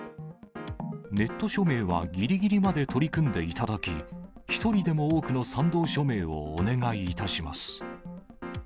ネット署名はぎりぎりまで取り組んでいただき、一人でも多くの賛同署名をお願いいたします。